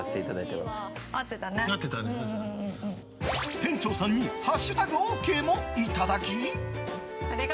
店長さんにハッシュタグＯＫもいただき。